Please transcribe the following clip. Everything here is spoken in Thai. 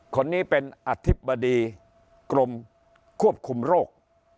คนนี้เป็นอธิบดีกรมควบคุมโรค